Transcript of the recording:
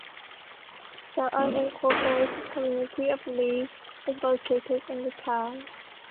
The unincorporated community of Reeve is located in the town.